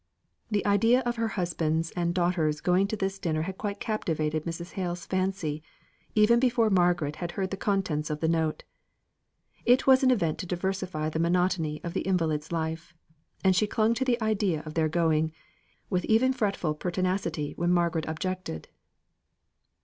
The idea of her husband's and daughter's going to this dinner had quite captivated Mrs. Hale's fancy, even before Margaret had heard the contents of the note. It was an event to diversify the monotony of the invalid's life; and she clung to the idea of their going, with even fretful pertinacity, when Margaret objected.